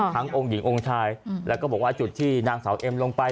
องค์หญิงองค์ชายแล้วก็บอกว่าจุดที่นางสาวเอ็มลงไป